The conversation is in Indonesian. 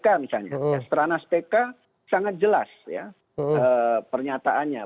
karena ppk sangat jelas pernyataannya